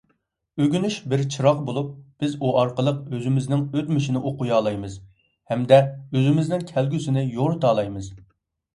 ئۆگىنىش بىر چىراغ بولۇپ، بىز ئۇ ئارقىلىق ئۆزىمىزنىڭ ئۆتمۈشىنى ئوقۇيالايمىز، ھەمدە ئۆزىمىزنىڭ كەلگۈسىنى يورۇتالايمىز.